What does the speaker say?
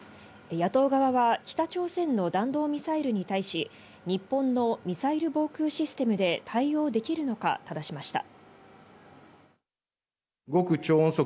野党側は北朝鮮の弾道ミサイルに対し、日本のミサイル防空システムで対応できるのか、ただしました。